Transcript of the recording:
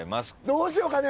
どうしようかね？